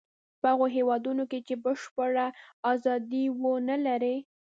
په هغو هېوادونو کې چې بشپړه ازادي و نه لري.